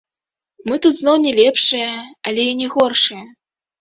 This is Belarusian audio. Мы тут зноў не лепшыя, але і не горшыя.